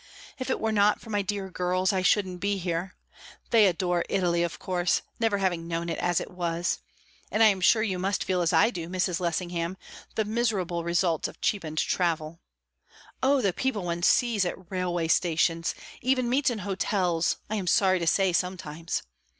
If it were not for my dear girls, I shouldn't be here; they adore Italy of course, never having known it as it was. And I am sure you must feel, as I do, Mrs. Lessingham, the miserable results of cheapened travel. Oh, the people one sees at railway stations, even meets in hotels, I am sorry to say, sometimes!